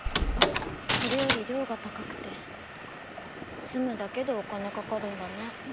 それより寮が高くて住むだけでお金かかるんだね。